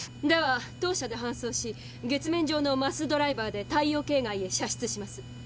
では当社で搬送し月面上のマスドライバーで太陽系外へ射出します。